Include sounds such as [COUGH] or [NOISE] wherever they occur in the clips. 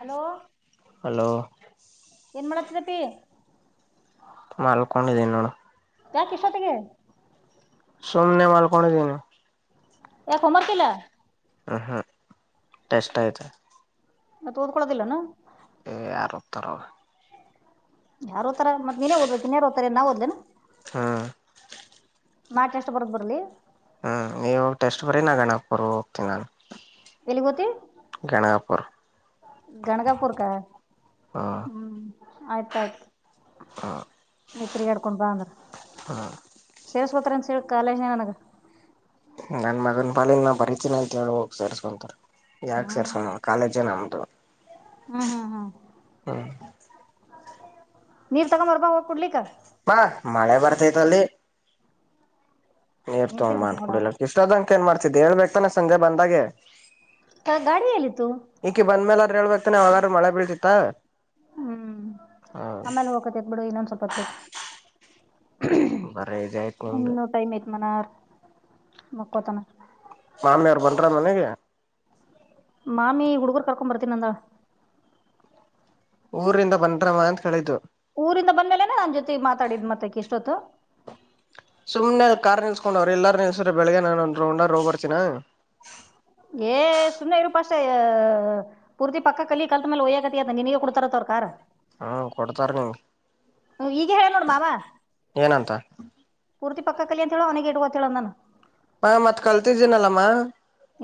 Hello hello ಏನ್ ಮಾಡತಿರಪಿ ಮಲ್ಕೊಂಡಿದ್ದೀ ನೋಡು ಯಾಕೆ ಇಷ್ಟೊತ್ತಿಗೆ ಸುಮ್ನೆ ಮಲ್ಕೊಂಡಿದ್ದೀನಿ ಯಾಕೋ ಮಾರ್ಕ್ ಕಿಲ್ಲ ಆಹಾ ಟೆಸ್ಟ್ ಐತೆ ಮತ್ತು ತೋದ್ಕೊಳ್ಳೋದಿಲ್ಲೇನ ಏ ಯಾರು ಓದ್ತಾರೋಗ್ ಯಾರೋ ತರ ಮತ್ತ್ ನೀನೇ ಓದ್ಬೇಕು ಇನ್ನೇರಓ್ತರ ನಾ ಓದ್ಲೇನ ಹಾ ಮಾಟ್ ಎಷ್ಟು ಬರದ ಬರ್ಲಿ ಹ್ಮ್ ನೀವೋಗ ಟೆಸ್ಟ್ ಬರೀ ನ ಗಣಕ್ರ್ ಹೋಗ್ತೀನಿ ನಾನು ಎಲ್ಲಿಗೋತಿ ಗಣಗಾಪುರ್ ಗಣಗಪುರ್ ಕ ಹ್ಮ್ ಆಯ್ತ ಆಯ್ತು ಮೇಸ್ತ್ರಿಗಿಡ್ಕೊಂಡ್ ಬಾ ಮ ಸೇರ್ ಪುತ್ರನ್ಸೆಲ್ ಕಾಲೇಜ್ನನಾಗ ನನ್ ಮಗನ ಪಾಲನ್ ನ ಬರಿತೀನಿ ಅಂತ ಹೇಳಿ ಹೋಗ ಸೇರಿಸಸ್ಕೊಂತಾರೆ ಯಾಕ್ ಸೇರಿಸ್ಕೊಳ್ಳಲ್ಲ ಕಾಲೇಜೆ ನಮ್ದು ಹ್ಮ್ ಹ್ಮ್ ಹ್ಮ್ ತಗೊಂಬರ್ಬಾ ಹೋಗಿ ಕುಡ್ಲಿಕ್ಕ ಮಾಮ ಮಳೆ ಬರ್ತಾಯ್ತಲ್ಲಿ ನೀರ್ ನಿಂತಿರ್ಬೇಕು ತಗೋಬಂದು ನೋಡ ಕುಡಿಲ ಇಷ್ಟ ಆದಂಕ ಏನ್ ಮಾಡ್ತಿದಿದ್ದಿ ಹೇಳಬೇಕ್ ತಾನೆ ಸಂಜೆ ಬಂದಾಗೆ ತ ಗಾಡಿ ಎಲ್ಲಿತ್ತು ಇಂದ್ರೆ ಹೇಳ್ಬೇಕತಾನೆ ಅವಾಗಾರು ಮಳೆ ಬೀಳ್ತಾ ಹ್ಮ್ ಆಮೇಲೆ ಹೋಗಕತಿತ್ ಬಿಡು ಇನ್ನೊಂದ ಸ್ವಲ್ಪತ್ತು ಬಿ ಬರೀ ಇದ ಆಯ್ತು ನಿಮ್ದು ಇನ್ನೂ ಟೈಮ ಐತ್ ಮನರ್ ಮಕ್ಕೊತನ ಮಾಮಿಯವ್ರು ಬಂಡ್ರ ಮನೆಗೆ ಮಾಮಿ ಹುಡುಗರು ಕರ್ಕೊ ಬರ್ತೀನಿ ನಂದಳ ಊರಿಂದ ಬನ್ರವ ಅಂತ ಕೇಳಿತು ಊರಿಂದ ಬಂದ್ಮೇಲೆನೆ ನನ್ ಜೊತೆಗ್ ಮಾತಾಡಿದ್ ಮತ್ತ್ ಆಕಿ ಇಷ್ಟೊತ್ತು ಸುಮ್ನೆ ಕಾರ್ ನಿಲ್ಸ್ಕೊಂಡ್ ಅವ್ರರು ಎಲ್ಲಾರರು ನಿಲ್ಲಿಸಿರೆ ಬೆಳಗ್ಗೆ ನಾನ ಒಂದ್ ರೌಂಡಾದ್ರು ಹೋಗಬರ್ತಿನ ಏ ಸುಮ್ನೆ ಇರುಪ್ಪ ಅಷ್ಟೇಯಾ ಪೂರ್ತಿ ಪಕ್ಕ ಕಲಿ ಕಲ್ತ್ ಮೇಲೆ ಒಯ್ಯಗತಿ ಅತ್ತ ನಿನಗ ಕೊಡ್ತಾರತ್ ಅವ್ರ ಕಾರ್ ಹ್ಮ್ ಕೊಡ್ತಾರ ನಿಂಗೆ ಈಗ ಹೇಳ ನೋಡ್ ಮಾವ ಏನಂತ ಪೂರ್ತಿ ಪಕ್ಕ ಕಲಿಯಂತೆ ಹೇಳು ಅವನಿಗೆ ಇಟ್ಕೋ ಅಂತ ಹೇಳು ಅಂದಾನ ಮ್ಮ ಮತ್ತ್ ಕಲ್ತಿದ್ದೀನಲ್ಲಮ್ಮ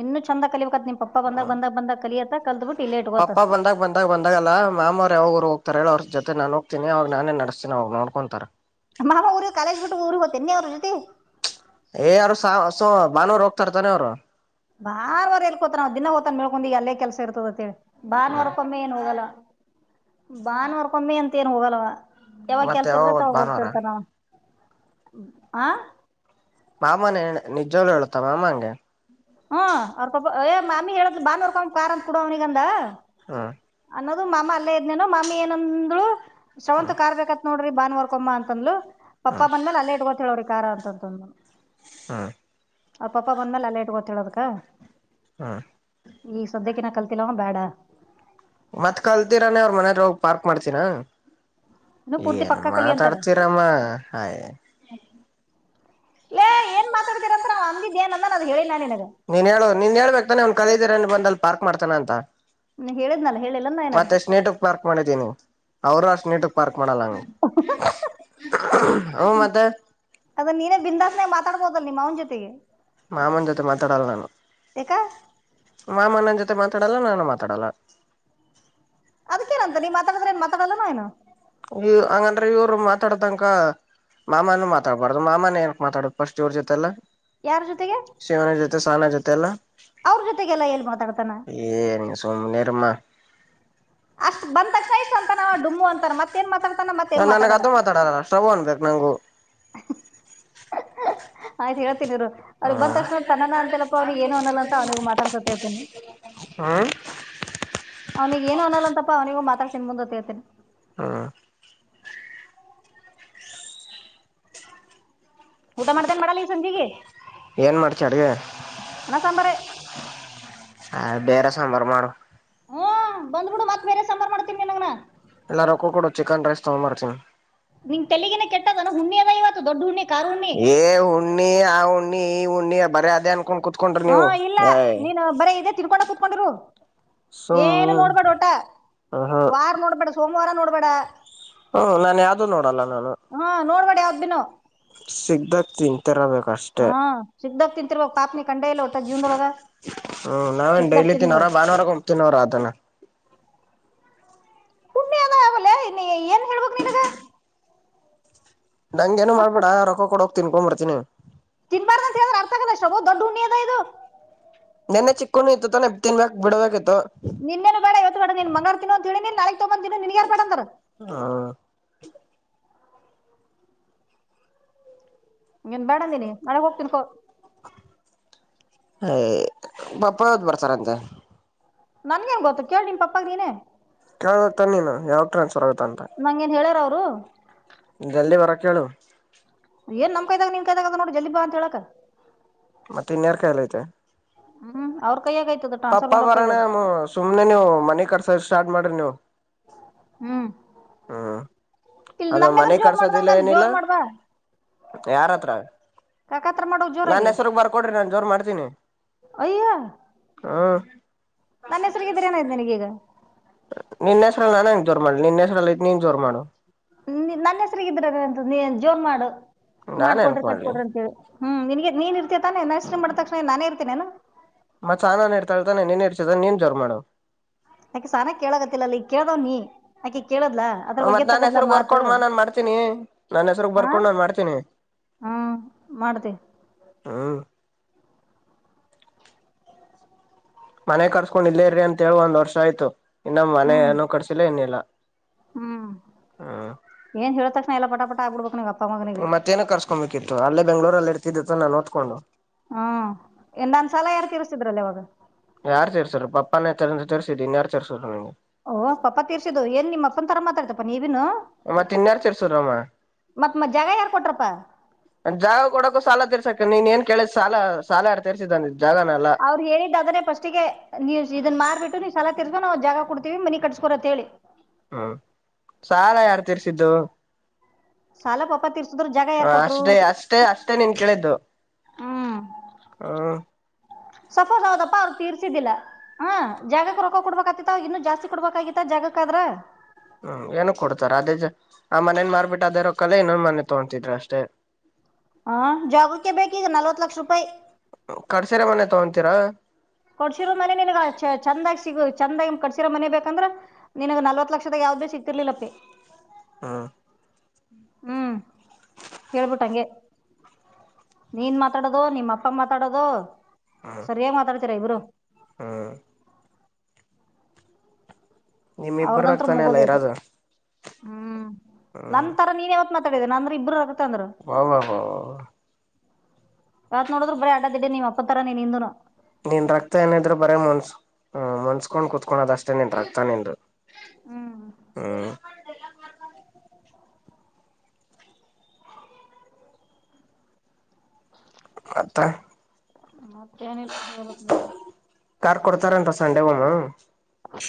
ಇನ್ನು ಚಂದ ಕಲಿಬೇಕತ್ ನಿಮ್ ಪಪ್ಪಾ ಬಂದಾಗ ಬಂದಾಗ ಬಂದ ಕಲಿಯ ಪಪ್ಪ ಬಂದಾಗ ಬಂದಾಗ ಬಂದಾಗಲ್ಲ ಮಾಮ್ರ ಯಾವಾಗರು ತರ ಹೇಳೋ ಅವ್ರ ಜೊತೆ ನ ಹೋಗ್ತೀನಿ ಅವಾಗ ನಾನೇ ನಸ್ತೀಿ ಅವ್ ನೋಡ್ಕೊಂತಾರ ಮಾಮ್ಮ ಊರು ಕಾಲೇಜ್ ಬಿಟ್ಟು ಊರು ಹೊತ್ತನ್ನಿ ಅವ್ರು ಜೊತೆ ತಾನೇ ಅವ್ರು ಬಾರ್ುವಾರ ಎಲ್ಕೋತ ನವು ದಿನಾ ಹ್ತನ್ ಮೇಳ್ಕೊಂಡಿ ಎಲ್ಲೇ ಕೆಲಸ ಇರ್ತದ ಅಂತೇಳಿ ಭಾನುವಾರಕ್ಕೊಮ್ಮೆ ಏನ್ ಹೋಗಲ್ಲ ಬಾನವರ್ಕೊಮ್ಮಿ ಅಂತ ಏನ್ ಹೋಗಲ್ಲವ ಯಾವಾಗ ಮತ್ತೆ ಕೆಲ್ಸ ಇರದ ಹೋದ್ ತಾವಾಗ ಭಾನುವಾರ ಹೋಗ್ತಿರ್ತಾರ ನಾವ್ ಆ ಮಾಮ ನೇಣೆ ನಿಜ್ವಾಲ್ ಹೇಳುತ್ತಾ ಮಾಮಾ ಅಂಗೆ ಹ್ಮ್ ಅವ್ರ್ ಪಪ್ಪು ಏ ಮಮ್ಮಿ ಹೇಳ್ದ್ ಬಾನವರ್ಕೊ ಕಾರ್ ಅಂತ ಕೊಡ ಅವ್ನಿಗಂದ ಹಾ ಅದು ಮಾಮ ಅಲ್ಲೇ ಇದ್ನೇನು ಮಾಮಿ ಏನಂದ್ಳು ಶ್ರವಂತ ಕಾರ್ ಬೇಕನ್ ನೋಡ್ರಿ ಬಾನುವರ್ಕೊಮ್ಮ ಅಂತಂದ್ಲು ಪಪ್ಪಾ ಬಂದ್ಮೇಲೆ ಅಲ್ಲೇ ಇಟ್ಕೋ ಅಂತ ಹೇಳವ್ರಿಕಾರ ಅಂತಂದ ಹ್ಮ್ ಆ ಪಪ್ಪ ಬಂದ್ಮೇಲೆ ಅಲ್ಲೇ ಇಟ್ಕೋ ಅಂತ ಹೇಳ್ಬೇಕಾ ಹಾ ಈ ಸದ್ದ್ಯಕಿನ ಕಲ್ತಿಲ್ಲವ ಬೇಡ ಮತ್ತ್ ಕಲ್ತೀರಾನೇ ಅವ್ರ ಮನದ ಹೋಗ ಪಾರ್ಕ್ ಮಾಡ್ತೀರ ಇನ್ನು ಪೂರ್ತಿ ಏನ್ ಪಕ್ಕ ಕಲಿ ಅಂತಾರ ಮಾತಾಡ್ತೀರಮ್ಮ ಹಯ ಲೆ ನಾ ನಿನಗ ನೀನ್ ಹೇಳ ನೀನ್ ಹೇಳ್ಬೇಕು ತಾನೆ ಅವನ್ ಕಲಿದ್ದೀರನ್ ಬಂದಲ್ ಪಾರ್ಕ್ ಮಾಡ್ತಾನ ಅಂತ ನೀ ಹೇಳದ್ನಲ್ಲೆ ಮತ್ತೆ ಸ್ನೇಟಕ್ ಪಾರ್ಕ್ ಮಾಡಿದೀನಿ ಅವರು ಸ್ನೇಟಕ್ ಪಾರ್ಕ್ ಮಾಡಲ್ಲಂಗ ಮತ್ತ ಮಾತಾಡ್ಬೋದ ಅ ನಿಮ್ಮ ಅವನ ಜೊತೆಗೆ ಮಾ ಅಮ್ಮನ ಜೊತೆ ಮಾತಾಡಾಲ ನು [INAUDIBLE] ಮಾಮ ನನ್ನ ಜೊತೆ ಮಾತಾಡಲ್ಲ ನಾನು ಮಾತಾಡಲ್ಲ ಲನಾ ಈ ಹಂಗಂದ್ರೆ ಇವ್ರು ಮಾತಾಡ ತನಕ ಮಾಮನು ಮಾತಾಡ್ಬಾರ್ದು ಮಾಮನ ನಕ್ ಮಾತಾಡುಫಸ್ಟ್ ಇವ್ರ ಜೊತೆಲ್ಲ ಯಾರ ಜೊತೆಗೆ ಸ್ಾನ ಜೊತೆ ಎಲ್ಲಾ ಅವ್ರ ಜೊತೆಗೆಲ್ಲ ಎಲ್ಲಿ ಮಾತಾಡ್ತಾನ ಸು ನಿಿರ್ಮ ಅಷ್ಟ್ ಬಂದ ತಕ್ಷಣ ಇಷ್ಟ ಅಂತ ನಾವ ಡುಮ್ಮು ಅಂತ ನ ನನಗ್ ಅದದು ಮಾತಾಡಲ್ಲ ಶ್ರವ ಅನ್ಬೇಕು ನಂಗು [INAUDIBLE] ಆಯ್ತ್ು ಹೇಳೇತೀನ ನೀವರು ಅವ್ರಿಗೆಬ್ ಬಂದ ಹ್ಮ್ ತಕ್ಷಣ ತನ್ನನ ಅಂತಲ್ಲಪ್ಪಾ ಅವ್ನಿಗೆ ಏನು ಅನ್ನಲ್ಲ ಅಂತ ಅವನಿಗ ಮಾತಾಡ್ತೊತರ್ತನಿ [INAUDIBLE] ಹ್ಮ್ ಅವನಿಿಗೆ ಏನು ಅನಲ್ಲ ಅಂತಪ್ಪ ಅವನಿಗೂ ಮಾತಾಡ್ ತಿನ್ ಮುಂದೊತ್ತೇಳ್ತೇಿ ಹಾ ಊಟ ಮಾಡ್ದೇನ್ ಮಾಡಲ್ಲ ಈ ಸಂಜೆಗೆ ಸಂಜೆ ಅಣ ಸಾಂಬಾರ ಹ ಬೇರೆ ಸಂಭ್ರಮ ಹ್ಮ್ ಬಂದ್ಬಿಡು ಮತ್ತೆ ಬೇರೆ ಸಂಾರ ಮಾಡ್ತೀನಿ ನಂಗನ ಎಲ್ಲ ರೊಕ್ಕ ಕೊಡಡು ಚಿಕನ್ ರೈಸ್ ತಗೊಂಬರ್ತೀನಿ ನಿಂಗ್ ತೆಗೇ ಕೆಟ್ಟದ ಹು್ಣಿದ ಇವತ್ತು ದೊಡ್ ಹುಣ್ಣ ಏ ಹಣ್ಣಿ ಆ ಹಣ್ಣಿ ಈ ಹಣ್ಣಿ ಬರ ಅದ ಹಾ ಇಲ್ಲ ನೀನ್ ಬರೇ ಇದೆ ತಿರ್ಕೊಂಡ ಕುೂತ್ಕೊಂಡರು ಸುಮ್ ಏನು ನೋಡ್ಬೇಡ ಟ ಹ್ಮ ವಾರ್ ನೋಡ್ಬೇಡ ಸೋಮವಾರ ನೋಡ್ಬೇಡ ಹ್ಮ್ ನನ್ ಯಾವ್ದು ನೋಡಲ್ಲ ನಾನು ಹಾ ನೋಡ್ಬೇಡ ಯಾವ್ದ್ ಬಿನು ಸಿಗದಕ್ ತಿಂತರಬೇಕು ಹಾ ಸಿಗ್ದಾಗ ತಿಂತಿರುವವಾಗ ಪಾಪನಿ ಕಂಡ ಇಲ್ಲ ಒಟ್ಟ ಜೀವನ್ದೊಳಗ ಹ್ಮ್ ನಾವೇನ್ ಡೈಲಿ ತಿನ್ನವ್ರ ಭಾನುವಾರ ಹೊಗಿ ತಿನ್ನವ್ರ ಆತನ ಪುಣ್ಯ ಅದ ಅವಲ್ಲ ಏನ್ ಹೇಳ್ಬಕ್ ನಿನಗ ನನಗೆ ಏನು ಅಷ್ಟು ಮಾಡಬೇಡ ರೊಕ್ಕ ಕೊಡ ಹೋಗತೀನಿ ಫೋನ್ ಮಾಡ್ತೀನಿ ತಿನ್ಬಾರ್ದು ಅಂತ ಹೇಳಿದ್ರೆ ಅರ್ಥಗದ ಶಬೋ ದೊಡ್ಡ ಹುಣ್ಣಿದ ಇದು ಚಕ್ಕು ಇತ್ತುತೆ ತಿನ್ಬೇಕ ಬಿಡಬೇಕ ನಿನ್ನೇನು ಬೇಡ ಇವತ್ತು ಮಾಡೇ ನೀನ್ ಮಂಗ್ಾರ ತಿನೋ ಅಂತ ಹೇಳಿ ನೀನ್ ನಾಳಗ್ ತಗೊಂದಿನ ನಿನ್ಗ ಯಾರ್ ಬೇಡ ಅಂದಾರ ಹ್ಮ್ ಇನ್ ಬ್ಯಾಡಂದೀಿನಿ ಮಳಗ್ ಹೋಗ್ತೀನ್ ಕೋ ಪಾಪ ಯಾವ್ದ ಬರ್ತಾರಂತೆ ನನ್ಗೇನ್ ಗೊತ್ತು ಕೇಳಿ ನಿಮ್ ಪಪ್ಪಾಗ ನೀನೇ ಹಾ ತನ್ನಿ ನ ಯಾವ್ರ ನಂಗೇನ್ ಹೇಳಾರ ಅವರು ಜಲ್ದಿ ವರಕಳು ಏನ್ ನಮ್ ಕೈದಾಗ ನಿನ್ ಕೈದಾಗ ಅದ ನೋಡು ಜಲ್ದಿ ಬಾ ಅಂತ ಹೇಳಕ ಮತ್ತೆ ಇನ್ಯಾರ್ ಕೈಯಲ್ಲಿ ಐತೆ ಹ್ಮ್ ಅವ್ರ ಕೈಯಾಗ ಐತದ ಪಪ್ಪ ಟ್ರಾನ್ಸ್ಫರ್ ಮಾಡೋರ್ ಬರೋಣ ಕೈದಾಗ ಸುಮ್ನೆ ನೀವು ಮನೆ ಕಟ್ಟಿಸೋಕೆ ಸ್ಟಾರ್ಟ್ ಮಾಡ್ರಿ ನೀವು ಹ್ಮ್ ಹ್ಮ್ ಇಲ್ಲಿ ಅದು ನಮ್ಮ ಎದ್ರ ಮನೆ ಜೋರ್ ಮಾಡ್ದಂಗ ಕಟ್ಟಿಸೋದಿಲ್ಲ ಅಲ್ಲಿ ಏನಿಲ್ಲ ಜೋರ್ ಮಾಡ್ಬಾ ಯಾರತ್ರ ಕಾಕಾತ್ರ ಮಾಡೋ ನನ್ ಜೋರಾಗಿ ಹೆಸ್ರಗ್ ಬರ್ಕೊಡ್ರಿ ನಾನು ಜೋರ್ ಮಾಡ್ತೀನಿ ಅಯ್ಯೋ ಹ್ಮ್ ನನ್ನ ಹೆಸ್ರಗ ಇದ್ದೀರೆ ಏನೈತು ನಿನಗೀಗ ನಿನ್ನ ಹೆಸರಲ್ಲಿ ನಾನ್ ಹೆಂಗ್ ಜೋರ್ ಮಾಡಿ ನಿನ್ನ ಹೆಸರಲ್ಲಿ ಆಯ್ತೆ ನೀನ್ ಜೋರ್ ಮಾಡು ನನ್ನ ಹೆಸ್ರಗ ಇದ್ರದಂತ ನೀ ಜೋರ್ ಮಾಡು ನಾನ್ ಮಾಡ್ಕೊಡ್ರಿ ಏನಕ್ ಮಾಡ್ಲಿ ಕಟ್ಕೊಡ್ರಿ ಅಂತ ಹೇಳಿ ಹ್ಮ್ ನನ್ಗೆ ನೀನ್ ಇರ್ತತಾನೆ ನನ್ನ ಹೆಸರಿಗೆಮಾಡಿದ ತಕ್ಷಣ ನಾನೇ ಇರ್ತೇನೇನು ಮತ್ ಸಹನಾನು ಇರ್ತಾಳತಾನೆ ನೀನ್ ಹೆಸರಿದೆ ನೀನ್ ಜೋರ್ ಮಾಡು ಯಾಕೆ ಸಹನಾ ಕೇಳಕತ್ತಿಲ್ಲ ಈ ಕೇಳ್ದವ್ ನೀ ಆಕಿ ಕೇಳದ್ಲಾ ಅದ್ರ ಬಗ್ಗೆ ಮತ್ ನಾನ್ ತಗದ್ಲ ಹೆಸ್ರಗ್ ಮಾತು ಬರ್ಕೊಡ್ಮಾ ನಾನ್ ಮಾಡ್ತೀನಿ ನನ್ ಹೆಸ್ರಗ್ ಹ ಬರ್ಕೊಂಡ್ ನಾನ್ ಮಾಡ್ತೀನಿ ಹ್ಮ ಮಾಡ್ತೀನಿ ಹಾ ಮನೆ ಕಡ್ಸ್ಕೊಂಡ್ ಇಲ್ಲೇರ್ರಿ ಅಂತ ಹೇಳಿ ಒಂದ್ ವರ್ಷ ಆಯ್ತು ಇನ್ನೊ ಮನೆ ಹ್ಮ್ ಕಟ್ಟಿಸಿಲ್ಲ ಏನಿಲ್ಲ ಹ್ಮ್ ಹ್ಮ್ ಏನ್ ಹೇಲಿದ್ ತಕ್ಷಣ ಎಲ್ಲ ಪಟಾಪಟ ಆಗ್ಬಿಡ್ಬೇಕಕ್ ನಿನಗೆ ಮತ್ತೆ ಏನುಕೆ ಕರಿಸ್ಕೊಬೇಕಿತು ಕ ಅಲ್ಲೇ ಬೆಂಗಳುರಲ್ಲಿ ಇರ್ತಿದ್ದೆ ತಾನೇ ಓದತ್ಕೊಂಡು ಹ್ಮ ಇಲ್ಲಿ ನನ್ನ ಸಾಲ ಯಾರ್ ತೀರಿಸ್ತೀದ್ರು ಅವವಾಗ ಯಾರು ಸೇರಿಸೋರು ಪಪ್ಪಾನೆ ತೀರಿಸಿದ್ದು ಇನ್ನ ಯಾರು ತೀರಿಸಿದ್ರು ನಿಂಗೆ ಓ ಪಪ್ಪ ತೀರ್ಸಿದ್ದು ಏನ್ ನಿಮ್ಮ ಅಪ್ಪನ ತರ ಮಾತಾಡ್ತಪ್ಪ ನೀವಿನು ಮತ್ತೆ ಇನ್ನ ಯಾರು ತೀರಿಸಿದ್ರಮ್ಮ ಮತ್ ಮ ಜಾಗ ಯಾರು ಕೊಟ್ರಪ್ಪ ಜಾಗ ಕೊಡಕ್ಕು ಸಾಲ ತೀರಿಸಕ ನೀನ್ ಏನ್ ಕೇಳಿದ ಸಾಲ ಸಾಲಯಾರ್ ತೀರಿಸಿದ್ದು ಅಂದಿದು ಅವ್ರು ಹೇಳಿದ್ದಿ ಅದನ್ನೇ ಫಸ್ಟಿಗೆ ನೀ ಇದನ್ ಮಾರಿಬಿಟ್ಟು ನೀ ಸಾಲ ತಿರ್ಸು ನಾವು ಜಾಗ ಕೊಡ್ತೀವಿ ಮನಿ ಕಟ್ಸ್ಕೋ ಅಂತ ಹೇಳಿ ಹ್ಮ್ ಸಾಲ ಯಾರ್ ತಿರ್ಸಿದ್ದು ಸಾಲ ಪಪ್ಪ ತಿರ್ಸಿತು ಜಾಗ ಯಾರ್ ಕೊಟ್ರು ಅಷ್ಟೇ ಅಷ್ಟೇ ಅಷ್ಟೇ ನೀನ್ ಕೇಳಿದ್ದು ಹ್ಮ್ ಹ್ಮ್ ಸಫೋಸ್ ಹೌದಪ್ಪ ಅವ್ರಗ್ ತೀರ್ಸಿದ್ದಿಲ್ಲ ಹಾ ಜಾಗಕ್ ರೊಕ್ಕ ಕೊಡ್ಬಬೇಕ ಆತಿತ್ತ ಇನ್ನು ಜಾಸ್ತಿ ಕೊಡ್ಬೇಕಾಗಿತ್ತ ಜಾಗಕ್ಕ ಆದ್ರ ಹ್ಮ್ ಏನ ಕೊಡ್ತಾರ ಅದೇಜ ಆ ಮನೇನ್ ಮಾರ್ಬಿಟ್ಟು ಅದೇ ರೊಕ್ಕ ಅದರಲ್ಲೇ ಇನ್ನೊಂದು ಮನೆ ತಗೊತಿದ್ದೆ ಅಷ್ಟೇ ಹಾ ಜಾಗಕ್ಕೆ ಬೇಕೀಗ ನಲ್ವತ್ ಲಕ್ಷ ರೂಪಾಯಿ ಕಟ್ಟಿಸಿರೋ ಮನೆ ತಗೊಂತೀರ ಕಟ್ಟಿಸಿರೋ ಮನೆ ನಿನಗ ನಿನ್ ಚಂದಾಗ ಸಿಗ ಚಂದ ಕಟ್ಸಿರ ಮನೆ ಬೇಕಂದ್ರೆ ನಿನಗ್ ನಲ್ವತ್ ಲಕ್ಷದಾಗ ಯಾವ್ದ್ ಸಿಕ್ತಿರ್ಲಿಲ್ಲಪ್ಪಿ ಹ್ಮ್ ಹ್ಮ್ ಹೇಳ್ಬಿಟ್ಟಂಗೆ ನೀನ್ ಮಾತಾಡೋದು ನಿಮ್ಮಪ್ಪ ಮಾತಾಡೋದು ಸರಿಯಾಗಿ ಮಾತಾಡ್ತರ ಇಬರು. ಹ್ಮ್ [UNINTELLIGIBLE] ನಿಮ್ ಇಬ್ಬರ ಅವ್ರದಂತ್ರ ರಕ್ತಾನೆ ಮುಗೋದ ಅಲ್ಲ ಹೊತ್ತ, ಇರೋದು [UNINTELLIGIBLE] ಹ್ಮ್ ಹ್ಮ್ ನನ್ನತರ ನೀನ್ ಯಾವತ್ ಮಾತಾಡಿದೇನೆ ಅಂದ್ರೆ ಇಬ್ಬರು ವಾವ್ ವಾವ್ ಯಾವತ್ ನೋಡ್ರು ಬರ ಆಡದಿಡಿ ನೀವ ಅಪ್ಪತ್ತರ ನೀನ್ ನಿಂದ್ನು ನೀನ್ ರಕ್ತ ಏನಿದ್ರರು ಬರೇ ಮನ್ಸು ಹ್ಮ್ ಮುನ್ಸ್ಕೊಂಡ್ ಕುತ್ಕೋಳದಷ್ಟೇ ನಿನ್ನ ರಕ್ತ ನಿಂದು ಹ್ಮ್ ಹ್ಮ್ ಮತ್ತೆ [UNINTELLIGIBLE] ಹೇಳ್ಬೇಕ್ ನೀನೆ ಕಾರ್ ಕೊಡ್ತಾರ ಅಂತ್ ಸಂಡೆಗೆ ಒಮ್ಮ [UNINTELLIGIBLE]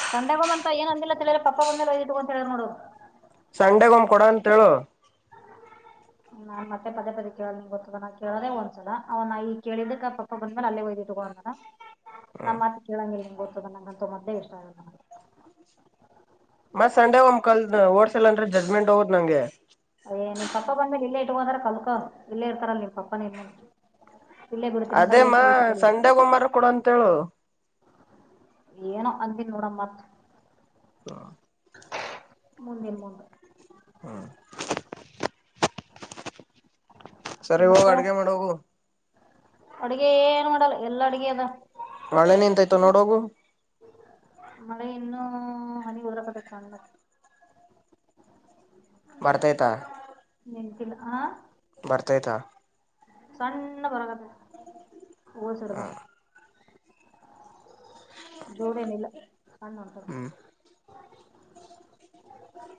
ಸಂಡೆಗೆ ಒಮ್ಮೆ ಅಂತ ಏನು ಅಂದಿಲ್ಲ ತಿಳಿಯ್ರ ಪಪ್ಪ ಬಂದ ಮೇಲೆ ಒಯ್ದಿಟ್ಟು ಅಂತ ಹೇಳಿದ್ ನೋಡು. [UNINTELLIGIBLE] ಸಂಡೆಗ ಒಮ್ ಕೊಡ ಅಂತ ಹೇಳು? [UNINTELLIGIBLE] ನಾ ಮತ್ತ ಪದೇ ಪದೇ ಕೇಳೋ ಗೊತ್ತದ ನಾ ಕೇಳೋದೇ ಒಂದ್ಸಲ ಅವ್ ನ ಈ ಕೇಳಿದಕ್ಕೆ ಪಪ್ಪ ಬಂದ ಮೇಲೆ ಅಲ್ಲೇ ಒಯ್ದ ಇಡ [UNINTELLIGIBLE] ತೊಗೊ ಅಂತ ನಮ್ಮ ಮಾತ ಕೇಳಂಗ ಇಲ್ಲ ನಿಂಗ ಗೊತ್ತದ ನಂಗ ಅಂತು ಮೊದಲೇ ಇಷ್ಟ ಆಗಲ್ಲ? [UNINTELLIGIBLE] ಮತ್ತ ಸಂಡೆ ಒಮ್ ಕೇಳಸ ಓಡ್ಸಲ್ ಅಂದ್ರೆ ಜಜ್ಮೆಂಟ್ ಹೋಗುತ್ತ ನಂಗೆ, [UNINTELLIGIBLE] ನಿಮ್ ಪಪ್ಪಾ ಬಂದ್ಮೇಲೆ ಇಲ್ಲೇ ಇಟಕೋ ಅಂದ್ರ ಕಲ್ಕೋ ಇಲ್ಲೇ ಇರ್ತಾರಲ್ಲ ನಿಮ್ ಪಪ್ಪ ನಿನ್ ಮುಂದು. [UNINTELLIGIBLE] ಅದೇ ಅಮ್ಮ ಸಂಡೆಗ ಒಮ್ಮೆರ ಕೊಡ ಅಂತ ಹೇಳು? [UNINTELLIGIBLE] ಏನೋ ಅಂದಿಲ್ಲ ನೋಡ ಮತ್ತ? [UNINTELLIGIBLE] ಆ [UNINTELLIGIBLE] ಮುಂದಿದ ಮುಂದ. [UNINTELLIGIBLE] ಹ [UNINTELLIGIBLE] ಸರಿ ಹೋಗ ಮತ್ತ ಅಡಗೆ ಮಾಡ ಹೋಗು. [UNINTELLIGIBLE] ಅಡುಗೆ ಏನ್ ಮಾಡಲ್ಲ ಎಲ್ಲಾ ಅಡುಗೆ ಅದ. [UNINTELLIGIBLE] ಒಳ್ಳೆ ನಿಂತೈತ ನೋಡೋಗು ಮಳೆ ಇನ್ನು ಹನಿ ಉದರಕತ್ತೈತ ಸಣ್ಣಗ [UNINTELLIGIBLE] ಬರ್ತಾ ಐತಾ? [UNINTELLIGIBLE] ಇಲ್ ಆ [UNINTELLIGIBLE] ಬರ್ತೈತಾ? [UNINTELLIGIBLE] ಸಣ್ಣ ಬರಕತೈತ ಊರ ಸೈಡ ಬಾ [UNINTELLIGIBLE] ಜೋರ ಏನಿಲ್ಲ ಸಣ್ಣ ಹ್ಮ್ ಹೊಂಟೈತ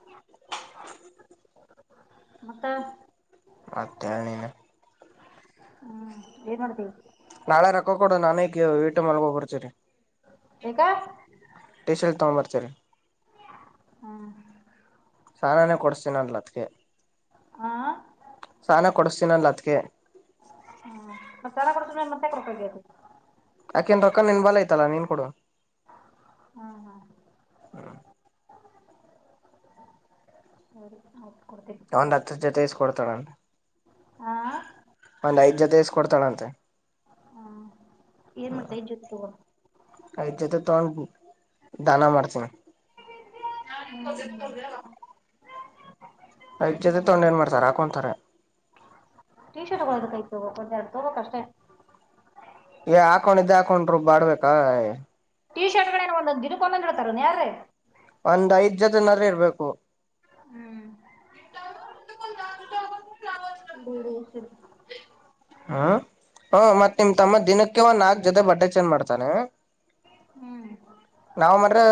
[UNINTELLIGIBLE] ಮತ್ತ [UNINTELLIGIBLE] ಮತ್ತ ಹೇಳ ನೀನ್ [UNINTELLIGIBLE] ಹು ಏನ್ ಮಾಡತಿ. [UNINTELLIGIBLE] ನಾಳೆ ರೊಕ್ಕ ಕೊಡ ನಾನ ಕೀ ಹಿಟ್ಟ ಮಾಡ್ಕೊಂಡು ಬರ್ತೀನಿ. ಏಕಾ [UNINTELLIGIBLE] [INAUDIBLE] ಟೀ ಶರ್ಟ್ ತೊಗೊಂಡ್ ಬರ್ತೀನಿ. [UNINTELLIGIBLE] ಹೂ [UNINTELLIGIBLE] ಚಾ ನಾನೇ ಕೊಡ್ಸ್ತೀನ ಅಂದಲ್ ಅತ್ತಿಗೆ? ಹಾಂ [UNINTELLIGIBLE] ಚಾನ ಕೊಡಸ್ತೀನ ಅಂದಲ್ ಅತ್ತಿಗೆ. [UNINTELLIGIBLE] [INAUDIBLE] ಮತ್ತೆ ಯಾಕ್ ರೊಕ್ಕಾ ಕೇಳ್ತಿ. [UNINTELLIGIBLE] ಅಕೆನ್ ರೊಕ್ಕ ನಿನ್ ಬಲ ಐತಲ್ಲಾ ನೀನ್ ಕೊಡು. [UNINTELLIGIBLE] ಹ ಹಾ [UNINTELLIGIBLE] [UNINTELLIGIBLE] ಸರಿ ಓಕೆ. ಒಂದ್ ಹತ್ತು ಜೊತೆ ಇಸ್ಕೊಡ್ತಾಳ ಅಂತ್ ಹಾಂ ಒಂದ್ ಐದ್ ಜೊತೆ ಇಸ್ಕ ಕೊಡ್ತಾಳಂತ? [UNINTELLIGIBLE] ಹ ಏನ್ ಮಾಡ್ತೀಯಾ ಐದ ಜೋತಿ ತಗೊಂಡ. [UNINTELLIGIBLE] ತೊಗೊಂದ ದಾನ ಮಾಡ್ತೀನಿ. [INAUDIBLE] [UNINTELLIGIBLE] ಹತ್ತ ಜೊತೆ ತೊಂಡ ಏನ್ ಮಾಡ್ತಾರ ಹಕೊಂತಾರ, - [UNINTELLIGIBLE] ಟೀ ಶರ್ಟ್ ತೋಗಬೇಕಾಗಿತ್ತು ಒಂದೆರಡು ತಗೋ ಬೇಕ್ ಅಷ್ಟೇ? [UNINTELLIGIBLE] ಏ ಹಾಕೊಂಡ್ ಇದ ಹಾಕೊಂಡ್ ರುಬಾಡ ಬೇಕಾ? [UNINTELLIGIBLE] ಟೀ ಶರ್ಟ್ ಗಳನೋ ಒಂದೊಂದು ದಿನಕ್ಕೆ ಒಂದೊಂದ ಹೇಳ್ತಾರ ಏನ್ ಯಾರ [UNINTELLIGIBLE] ಒಂದ್ ಐದ್ ಜೊತೆನರ ಇರ್ಬೇಕು? [UNINTELLIGIBLE] ಹೂ ಹು [UNINTELLIGIBLE] ಹ [INAUDIBLE] ಅ ಹೂ ಮತ್ತ ನಿಮ್ ತಮ್ಮ ದಿನಕ್ಕೆ ಒಂದ್ ನಾಲ್ಕ್ ಜೊತೆ ಬಟ್ಟೆ ಚೆಂಜ ಮಾಡ್ತಾನೆ. [UNINTELLIGIBLE] ಹು [UNINTELLIGIBLE] ನಾವ್ ಮಾಡಿದರ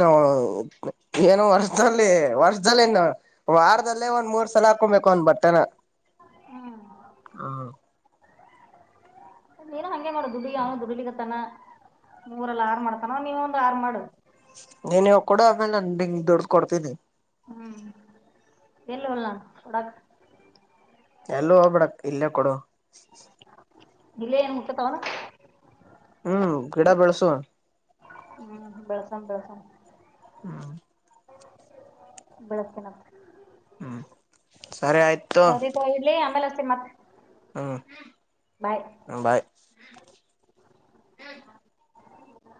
ನಾವ್ ಏನು ವರ್ಷದಲ್ಲಿ ವರ್ಷ [UNINTELLIGIBLE] ಹೊಸ ಲೇನ್ ವಾರದಲ್ಲೇ ಒಂದ್ ಮೂರ್ ಸಲ ಹಾಕೊಬೇಕು ಒಂದ್ ಬಟ್ಟೆನಾ [UNINTELLIGIBLE] ಆ [UNINTELLIGIBLE] ನೀನು ಹಂಗೇ ನೋಡ ದುಡಿಯಾವನ ದುಡಲಿಕತ್ತಾನ? [UNINTELLIGIBLE] ಮೂರಲ್ಲ ಆರ್ ಮಾಡ್ತಾನ ನೀವೊಂದ್ ಆರ್ ಮಾಡ? [UNINTELLIGIBLE] ನೀನುವ ಕೂಡ ಆಮೇಲೆ ನ ದುಡ್ಡದು ಕೊಡ್ತೀನಿ ಹ್ಮ್ ಎಲ್ಲವಲ್ಲ ಡಕ್ [INAUDIBLE] ಎಲ್ಲ ಹೋಗ್ಬಿಡ ಇಲ್ಲೇ ಕೊಡು ಇಲ ಏನ್ ಮುಖತ್ವನ ಹ್ಮ್ ಗಿಡ ಬೆಳ್ಸು ಹ್ಮ್ ಬೆಳಸಾಮ ಬೆಳಸಂ ಹಾ ಬೆಳಕಿನ ಹ್ಮ್ ಸರಿ ಆಯ್ತು ಸರಿತ ಇಡ್ಲಿ ಆಮೇಲೆಷ್ಟತಿ ಮತ್ತೆ ಹ್ಮ್ ಬಾಯ್ ಹ್ಮ